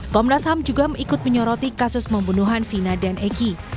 komnas ham juga ikut menyoroti kasus pembunuhan vina dan egy